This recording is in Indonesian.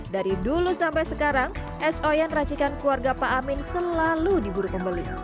dari dulu sampai sekarang es oyen racikan keluarga pak amin selalu diburu pembeli